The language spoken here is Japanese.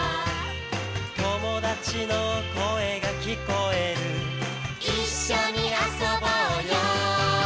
「友達の声が聞こえる」「一緒に遊ぼうよ」